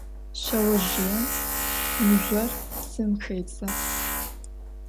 Şseozjıêm mızjor psım xêdze.